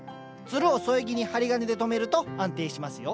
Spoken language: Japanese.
ツルを添え木に針金で留めると安定しますよ。